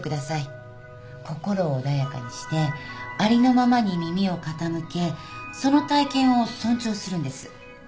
心を穏やかにしてありのままに耳を傾けその体験を尊重するんです。